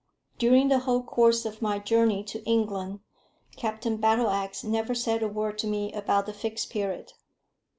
During the whole course of my journey to England, Captain Battleax never said a word to me about the Fixed Period.